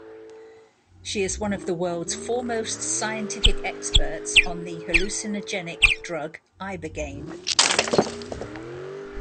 She is one of the world's foremost scientific experts on the hallucinogenic drug ibogaine.